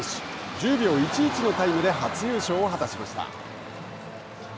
１０秒１１のタイムで初優勝を果たしました。